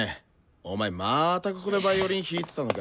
お前またここでヴァイオリン弾いてたのか？